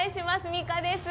美佳です。